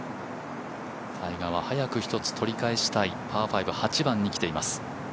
タイガーは早く１つ取り返したいパー５、８番に来ています。